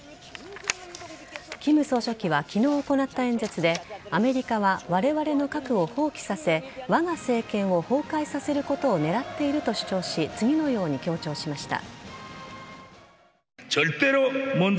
金総書記は昨日行った演説でアメリカはわれわれの核を放棄させわが政権を崩壊させることを狙っていると主張し次のように強調しました。